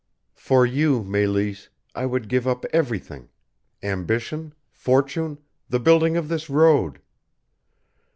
"For you, Meleese, I would give up everything ambition, fortune, the building of this road.